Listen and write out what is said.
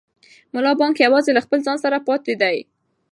ملا بانګ یوازې له خپل ځان سره پاتې دی.